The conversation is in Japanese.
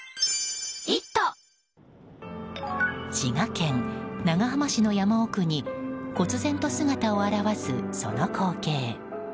滋賀県長浜市の山奥にこつぜんと姿を現すその光景。